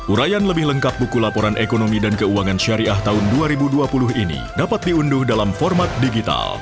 urayan lebih lengkap buku laporan ekonomi dan keuangan syariah tahun dua ribu dua puluh ini dapat diunduh dalam format digital